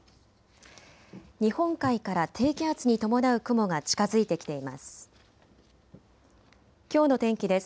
日本海から低気圧に伴う雲が近づいてきています。